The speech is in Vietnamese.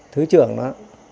thứ trưởng đó